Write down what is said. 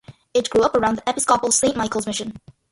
It grew up around the Episcopal Saint Michael's Mission.